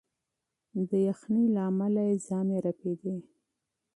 د یخنۍ له امله یې ژامې رپېدې.